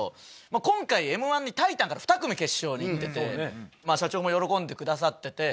今回『Ｍ−１』にタイタンから２組決勝に行ってて社長も喜んでくださってて。